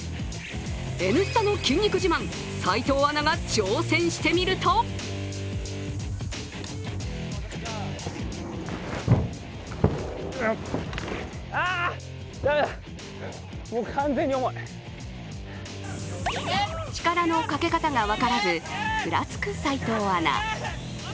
「Ｎスタ」の筋肉自慢、齋藤アナが挑戦してみると力のかけ方が分からずふらつく齋藤アナ。